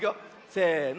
せの。